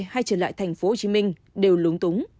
hay trở lại tp hcm đều lúng túng